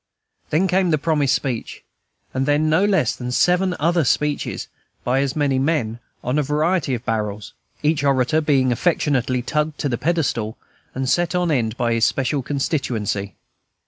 Then came the promised speech, and then no less than seven other speeches by as many men, on a variety of barrels, each orator being affectionately tugged to the pedestal and set on end by his special constituency.